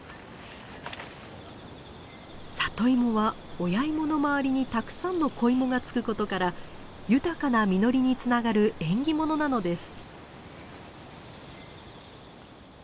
里芋は親芋の周りにたくさんの子芋が付くことから豊かな実りにつながる「縁起物」なのです。